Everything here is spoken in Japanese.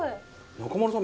中丸さん